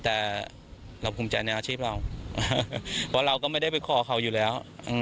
แต่เราภูมิใจในอาชีพเราเพราะเราก็ไม่ได้ไปขอเขาอยู่แล้ว